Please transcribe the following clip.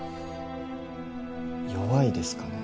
弱いですかね？